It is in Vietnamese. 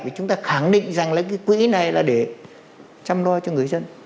chúng ta khẳng định rằng là cái quỹ này là để chăm lo cho người dân